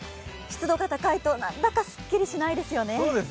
湿度が高いと、なんだかスッキリしないですよね。